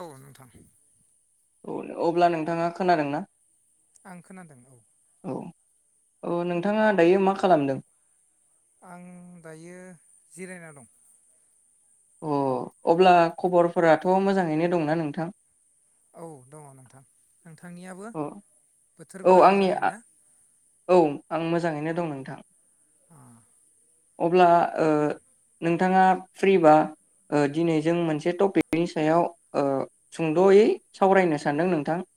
औ नोंथां। औ अब्ला नोंथाङा खोनादों ना? आं खोनादों औ औ नोंथाङा दायो मा खालामदों? आं दायो जिरायना दं। अ अब्ला खबरफोराथ मोजाङैनो दंना नोंथां? औ दङ नोंथां। नोंथांनियाबो अ औ बोथोरफोरा आंनि मोजाङै ना? औ आं मोजाङैनो दं नोंथां। अ अब्ला ओ नोंथाङा फ्रिबा ओ दिनै जों मोनसे टपिकनि सायाव ओ सुंद'यै सावरायनो सानदों नोंथां।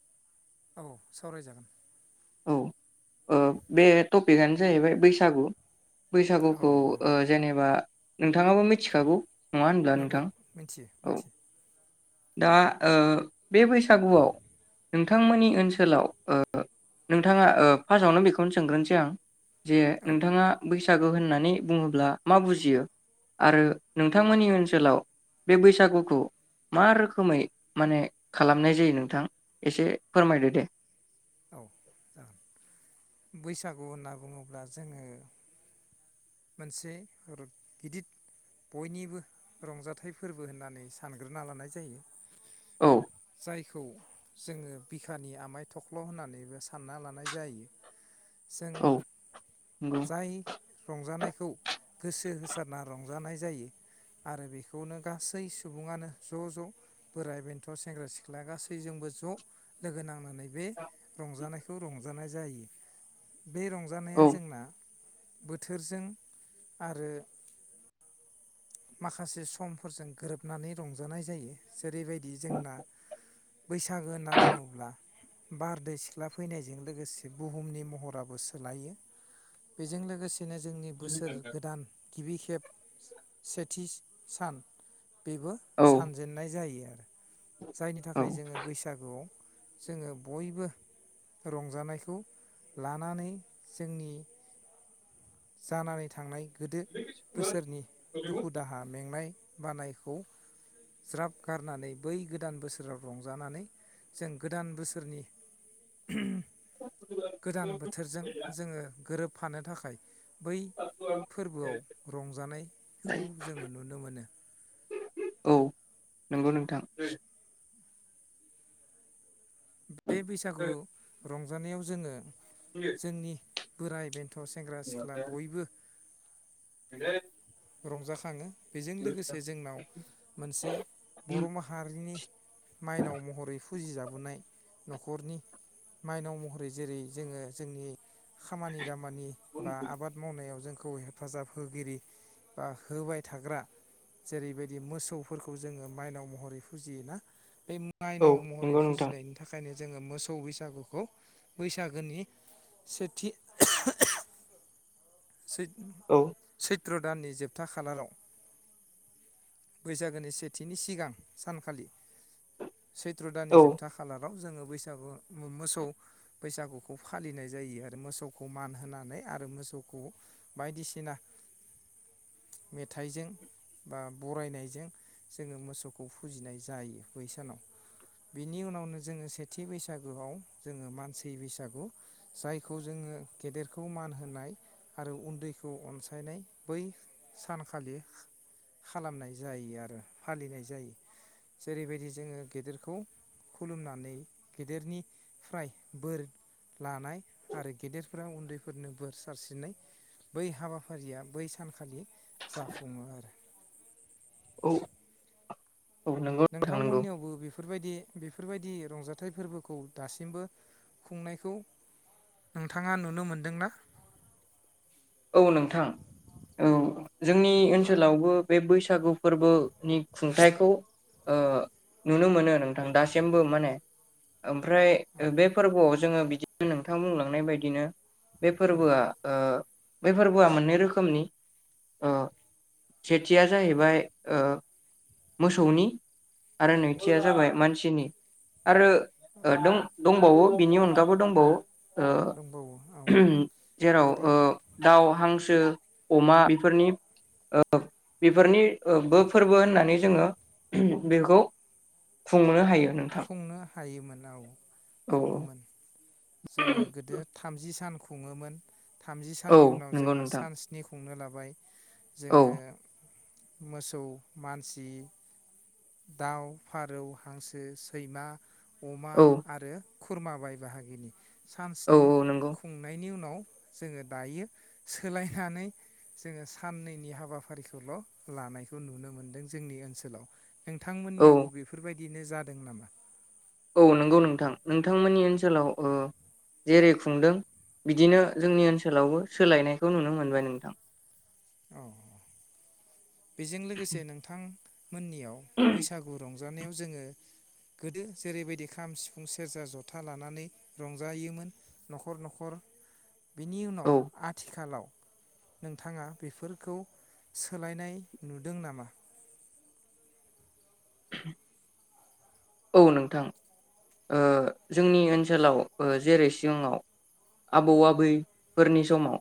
औ सावरायजागोन। औ ओ बे टपिकआनो जाहैबाय बैसागु औ बैसागुखौ औ ओ जेनेबा नों नोंथाङाबो मिथिखागौ नङा होनब्ला नंगौ नोंथां मिथियो औ मिथियो दा ओ बे बैसागुआव नोंथांमोननि ओनसोलाव ओ नोंथाङा ओ फासावनो बेखौनो सोंग्रोनोसै आं जे औ नोंथाङा बैसो बैसागु होननानै बुङोब्ला मा बुजियो आरो नोंथांमोननि ओनसोलाव बे बैसागुखौ मा रोखोमै माने खालामनाय जायो नोंथां एसे फोरमायदो दे। औ जागोन। बैसागु होनना बुङोब्ला जोङो मोनसे रद गिदिर बयनिबो रंजाथाइ फोरबो होननानै सानग्रोना लानाय जायो। औ जायखौ जोङो बिखानि आमाय थख्ल' होननानैबो सानना लानाय जायो जों औ नंगौ जाय हानायखौ गोसो होसारना रंजानाय जायो आरो बेखौनो गासै सुबुङानो ज' ज' बोराय बेन्थ सेंग्रा सिख्ला गासैजोंबो ज' लोगो नांनानै बे रंजानायखौ रंजानाय जायो बे रंजानाया औ जोंना बोथोरजों आरो माखासे समफोरजों गोरोबनानै रंजानाय जायो जेरैबायदि जोंना बैसागो होनना बुङोब्ला बारदै सिख्ला फैनायजों लोगोसे बुहुमनि महराबो सोलायो बेजों लोगोसे बिदिनो जोंनि बोसोर गोदान गिबि खेफ सेथि सान बेबो औ सानजेननाय जायो आरो जायनि औ थाखाय जोङो बैसागुआव जोङो बयबो रंजानायखौ लानानै जोंनि जानानै थांनाय गोदो बोसोरनि दुखु दाहा मेंनाय बानायखौ ज्राब गारनानै बै गोदान बोसोराव रंजानानै जों गोदान बोसोरनि गोदान बोथोरजों जोङो गोरोबफानो थाखाय बै फोरबोआव रंजानायखौ जोङो नुनो मोनो औ नंगौ नोंथां बे बैसागु रंजानायाव जोङो जोंनि बोराइ बेन्थ सेंग्रा सिख्ला बयबो रंजाखाङो बेजों लोगोसे जोंनाव मोनसे बर' माहारिनि माइनाव महरै फुजिजाबोनाय नखरनि माइनाव महरै जेरै जोङो जोंनि खामानि दामानि बा आबाद मावनायाव जोंखौ हेफाजाब होगिरि बा होबाय थाग्रा जेरैबायदि मोसौफोरखौ जोङो माइनाव महरै फुजियोना बे औ माइनाव महरै नंगौ नोंथां फुजिनायनि थाखायनो जोङो मोसौ बैसागुखौ बैसागोनि सेथि सै औ सैत्र दाननि जोबथा खालाराव बैसागोनि सेथिनि सिगां सानखालि सैत्र दानानि औ जोबथा खालार जोङो बैसागु मोसौ बैसागुखौ फालिनाय जायो आरो मोसौखौ मान होनानै आरो मोसौ बायदिसिना मेथाइजों बा बरायनायजों जोङो मोसौखौ फुजिनाय जायो बै सानाव बिनि उनावनो जोङो सेथि बैसागुआव जोङो मानसि बैसागु जायखौ जोङो गेदेरखौ मान होनाय आरो उन्दैखौ अनसायनाय बै सानखालि खालामनाय जायो आरो फालिनाय जायो जेरैबायदि जोङो गेदेरखौ खुलुमनानै गेदेरनिफ्राय बोर लानाय आरो गेदेरफोरा उन्दैफोरनो बोर सारसिरिनाय बै हाबाफारिया बै सानखालि जाफुंङो आरो औ औ नंगौ नोंथां नंगौ नोंथांमोननियावबो बे फोरबायदि बेफोरबायदि रंजाथाइ फोरबोखौ दासिमबो खुंनायखौ नोंथाङा नुनो मोनदोंना? औ नोंथां औ जोंनि ओनसोलावबो बे बैसागु फोरबोनि खुंथखौ नुनो मोनो नोंथां दासिमबो माने ओमफ्राय औ बे फोरबोआव जोङो बिदिनो नोंथां बुंलांनाय बायदिनो बे औ फोरबोआ बै फोरबोआ मोननै रोखोमनि ओ सेथिया जाहैबाय ओ मोसौनि आरो नैथिया जाबाय मानसिनि आरो ओ औ दं दं दंबावो बिनि अनगाबो दंबावो दंबावो औ ओ जेराव गोदो ओ दाउ हांसो अमा बेफोरनि-बेफोरनि फोरबो होननानै जोंङो बेखौ खुंनो हायो। नोंथां खुंनो हायोमोन औ औ खुंङोमोन जोंङो गोदो थामजि सान खुंङोमोन। थामजि औ साननि उनाव नंगौ जोंङो नोंथां सान स्नि खुंनो लाब बाय औ जोंङो मोसौ मानसि दाउ फारौ हांसो सैमा अमा औ आरो खुरमा बाय बाहागिनि सान औ स्नि नंगौ खुंनायनि उनाव जोंङो दायो सोलायनानै जोंङो साननैनि हाबाफारिखौल लानायखौ नुनो मोनदों जोंनि ओनसोलाव। औ नोंथांमोननियावबो बेफोरबाय बिदिनो जादों नामा औ नंगौ नोंथां नोंथांमोननि ओनसोलाव ओ जेरै खुंदों बिदिनो जोंनि ओनसोलावबो सोलायनायखौ नुनो मोनबाय नोंथां। अ बेजों लोगोसे नोंथां मोननियाव बैसागु रं जानायाव जोंङो गोदो जेरैबायदि खाम सिफुं सेरजा जथा लानानै रंजायोमोन न'खर-न'खर बिनि उनाव औ आथिखालाव नोंथांङा बेफोरखौ सोलायनाय नुदों नामा। [unintelligible] औ नोंथां ओ जोंनि ओनसोलाव जेरै सिगांङाव आबौ आबैफोरनि समाव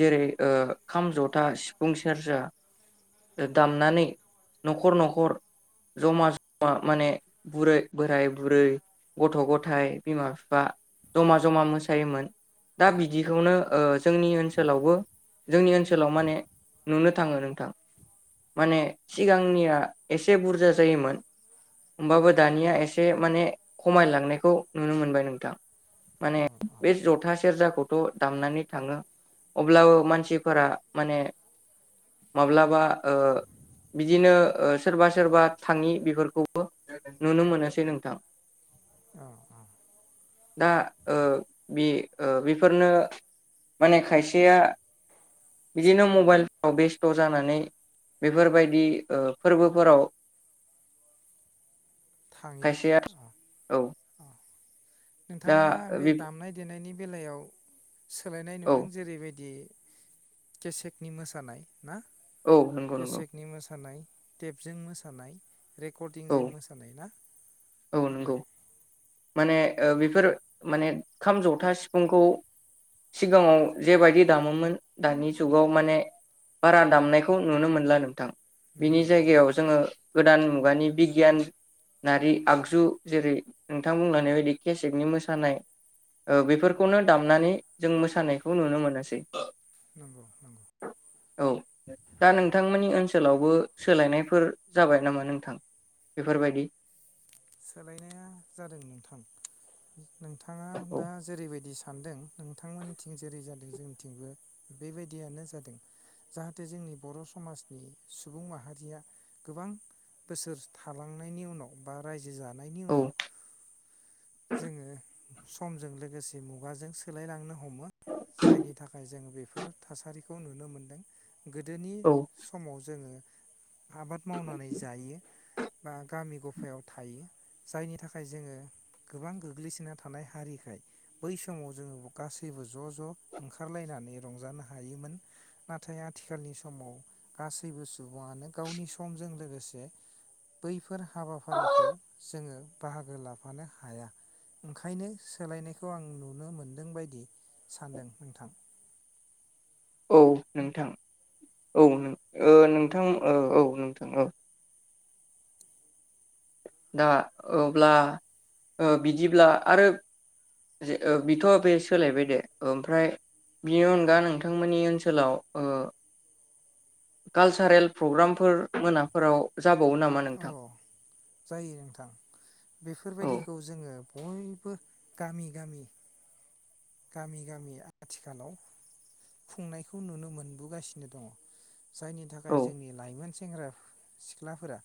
जेरै खाम जथा सिफुं सेरजा दामनानै न'खर-न'खर जमा-जमा माने बुरै बोराय बुरै गथ' गथाय बिमा बिफा जमा-जमा मोसायोमोन दा बिदिखौनो जोंनि ओनसोलावबो जोंनि ओनसोलाव माने नुनो थांङो नोंथां माने सिगांनिया एसे बुरजा जायोमोन। होमबाबो दानिया एसे माने खमायलांनायखौ नुनो मोनबाय नोंथां माने बे जथा सेरजाखौ दामनानै थाङो अब्लाबो मानसिफोरा माने माब्लाबा बिदिनो सोरबा-सोरबा थांङि बेफोरखौ नुनो मोनासै नोंथां अ दा ओ बे ओ बेफोरनो माने खायसेया बिदिनो मबायलफ्राव बेस्थ जानानै बेफोरबायदि फोरबोफोराव थांङि खायसेया औ नोंथाङा बे दामनाय देनायनि बेलायाव सोलायनाय औ नुदों जेरैबायदि केसेकनि मोसानाय ना औ नंगौ नंगौ केसेकनि मोसानाय टेपजों मोसानाय औ रेकर्डिंजों मोसा [unintelligible] औ नंगौ माने बेफोर माने ओं खाम जथा सिफुंखौ सिगाङाव जेबायदि दामोमोन दानि जुगाव माने बारा दामनायखौ नुनो मोनला नोंथां। बिनि नंगौ नंगौ जायगायाव जोङो गोदान मुगानि बिगियानारि आगजु जेरै नोंथां बुंनानै बायदि केसेकनि मोसानाय बेफोरखौनो दामनानै जों मोसानायखौ नुनो मोनासै नंगौ नंगौ औ दा नोंथांमोननि ओनसोलावबो सोलायनायफोर जाबाय नामा नोंथां बेफोरबायदि सोलायनाया जादों नोंथां नोंथाङा औ दा जेरैबायदि सों सानदों नोंथांमोननिथिं जेरै जादों जोंनिथिंबो बेबायदियानो जादों जाहाथे जोंनि बर समाजनि सुबुं माहारिया गोबां बोसोर थालांनायनि उनाव बा रायजो जा नायनि औ उनाव जोङो समजों लोगोसे मुगाजों सोलायलांनो ह हमो जायनि थाखाय जोङो बे फोर थासारिखौ नुनो मोनदों। गोदोनि औ समाव जोङो आबाद मावनानै जायो। बा गामि गफायाव थायो जायनि थाखाय जोङो गोबां गोग्लैसोना थानाय हारिखाय बै समाव जोङो गासैबो ज' ज' ओंखारलायनानै रंजानो हायोमोन नाथाय आथिखालनि समाव गासैबो सुबुङानो गावनि समजों लोगोसे बैफोर हाबाफारि खौ जोङो बाहागो लाफानो हाया ओंखायनो सोलायनायखौ आं नुनो मोनदों बायदि सानदों नोंथां औ नोंथां औ नों ओ नोंथां ओ औ नोंथां औ दा अब्ला ओ बिदिब्ला आरो ओ बेथ बे सोलायबाय दे ओमफ्राय बिनि अनगा नोंथांमोननि ओनसोलाव ओ कालसारेल प्रग्रामफोर मोनाफोराव जाबावो नामा अ नोंथां? जायो नोंथां औ बेफोरबायदिखौ जोङो बयबो गामि गामि गामि गामि आथिखालाव खुंनायखौ नुनो मोनबोगासिनो दङ जायनि थाखाय औ जोंनि लाइमोन सेंग्रा सिख्लाफोरा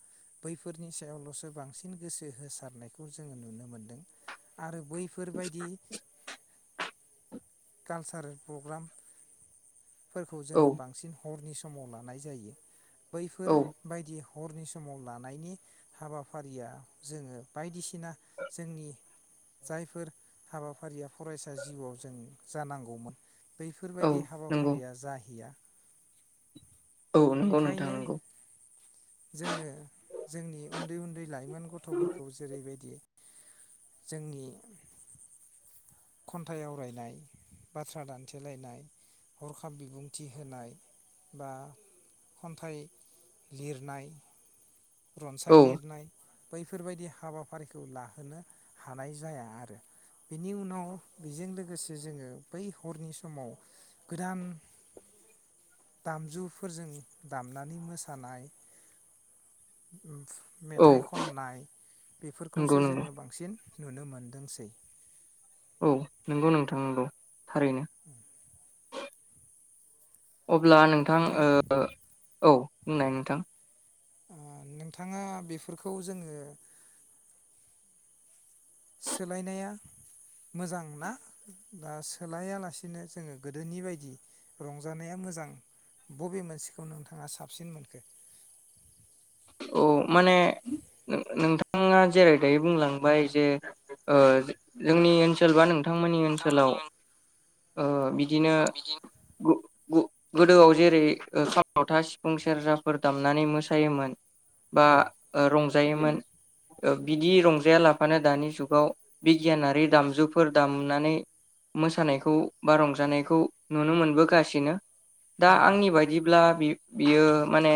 बैफोरनि सायावलसो बांसिन गोसो होसारनायखौ जोङो नुनो मोनदों आरो बैफोर बायदि कालचारेल प्रग्राम फोरखौ औ जोङो बांसिन हरनि स समाव नानाय जायो। बैफोर औ बायदि हरनि समाव लानायनि हाबाफारिया जोङो बायदिसिना जोंनि जायफोर हाबाफारिया फरायसा जिउआव जों जानांगौमोन औ बैफोरबायदि नंगौ हाबाफारिया जाहैया औ नंगौ नोंथां ओंखायनो नंगौ जोङो जोंनि उन्दै उन्दै लाइमोन गथफोरखौ जेरैबायदि जोंनि खन्थाइ आवरायनाय बाथ्रा दानथेलायनाय हरखाब बिबुंथि होनाय बा खन्थाइ लिरनाय औ रनसाय लिरनाय बैफोरबायदि हाबाफारिखौ लाहोनो हानाय जाया आरो बेनि उनाव बेजों लोगोसे जोङो बै हरनि समाव गोदान दामजुफोरजों दामनानै मोसानाय औ मेथाइ खननाय नंगौ बेफोरखौसो नंगौ जोङो बांसिन नुनो मोनदोंसै औ नोंगौ नोंथां नंगौ। थारैनो। अब्ला नोंथां ओ औ बुंनाय नोंथां। ओ नोंथाङा, बेफोरखौ जोङो सोलायनाया मोजांना आ सोलायालासिनो जोङो गोदोनि बायदि रंजानाया मोजां बबे मोनसेखौ नोंथाङा साबसिन मोनखो? औ माने नोंथाङा जेरै दायो बुंलांबाय जे ओ जोंनि ओनसोलबा नों थांमोननि ओनसोलाव नोंथांमोननि ओ बि बिदिनो ओनसोलाव बिदि गु-गु दि गोदोआव जेरै ओ खामावथा सिफुं सेरजाफोर दामनानै मोसायोमोन। बा औ रं जायोमोन बिदि रंजाया लाफानो दानि जुगाव बिगियानारि दामजुफोर दामनानै मोसानायखौ बा रंजानायखौ नुनो मोनबोगासिनो। दा नंगौ आंनि बायदिब्ला बि बियो माने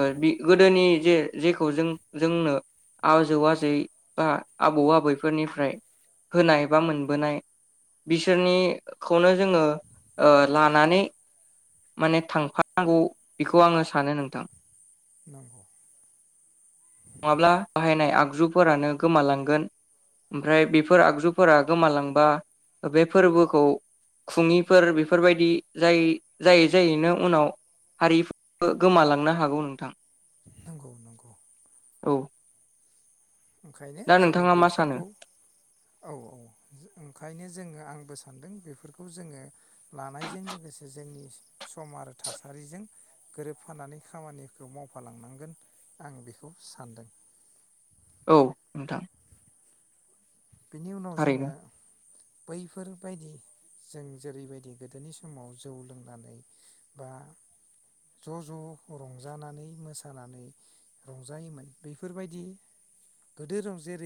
ओ बि गोदोनि जे जेखौ जों जोंनो आजौ आजै बा आबौ आबैफोरनिफ्राय होनाय बा मोनबोनाय बिसोरनिखौनो जोङो ओ लानानै माने थांफानांगौ बेखौ आङो सानो नोंथां। नंगौ। नङाब्ला बाहायनाय आगजुफोरानो गोमालांगोन ओमफ्राय बेफोर आगजुफोरा गोमालांबा बे फोरबोखौ खुङिफोर बेफोरबायदि जाय जायै जायैनो उनाव हारिफो गोमालांनो हागौ नोंथां। नंगौ नंगौ। औ। ओंखायनो दा जोङो नोंथाङा मा सानो बेफोरखौ औ औ ओंखायनो जोङो आंबो सानदों बेफोरखौ जोङो लानायजों लोगोसे जोंनि सम आरो थासारिजों गोरोबफानानै खामानिखौ मावफालांनांगोन आं बेखौ सानदों। औ नोंथां। बेनि उनाव थारैनो जोङो बैफोरबायदि जों जेरैबायदि गोदोनि समाव जौ लोंनानै बा ज ज रंजानानै मोसानानै रंजायोमोन बैफोरबायदि गोदोर, जेरै